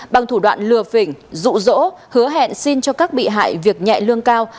bằng thủ đoạn lừa phỉnh rụ rỗ hứa hẹn xin cho các bị hại việc nhẹ lương cao